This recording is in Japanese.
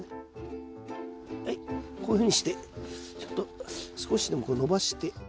はいこういうふうにしてちょっと少しでもこう伸ばして。